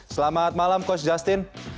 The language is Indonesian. selamat malam coach justin